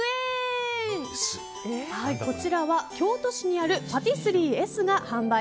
こちらは京都市にあるパティスリーエスが販売。